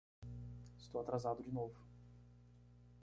Estou atrasado de novo!